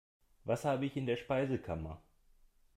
Was habe ich in der Speisekammer?